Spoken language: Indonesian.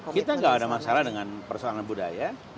kita nggak ada masalah dengan persoalan budaya